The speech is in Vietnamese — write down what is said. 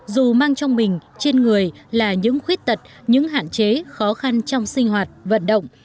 dù mang trong mình trên người là những khuyết tật những hạn chế khó khăn trong sinh hoạt vận động